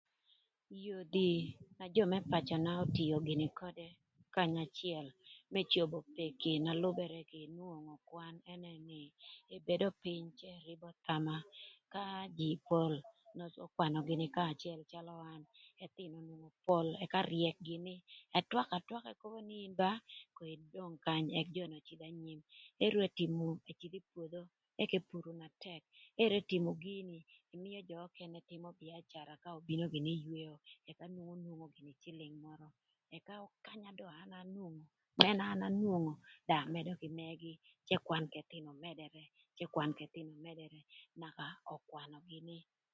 Yodhi na jö më pacöna otio gïnï ködë kanya acël më cobo peki na lübërë kï nwongo kwan ënë nï, ebedo pïny cë ërïbö thama ka jïï pol n'ökwanö gïnï kanya acël calö an, ëthïnö mene pol ëka ryëk gïnï ëtwak atwaka ekobo nï in ba ko idong kany ëk jö ni öcïdh anyim eru ëtïmü eru ëcïdhü ï pwodho ëk epur na tëk eru ëtïmü gin ni, ëmïö jö ökënë tïmö bïacara ka obino gïnï ï yweo cë nwongo gïnï cïlïng mörö. Ëka kanya do an anwongo mëna an anwongo cë amëdö kï mëgï cë kwan k'ëthïnö mëdërë cë kwan k'ëthïnö mëdërë naka ökwanö gïnï.